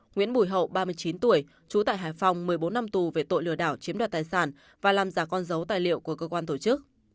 nguyễn bùi hậu ba mươi chín tuổi trú tại hải phòng một mươi bốn năm tù về tội lừa đảo chiếm đoạt tài sản và làm giả con dấu tài liệu của cơ quan tổ chức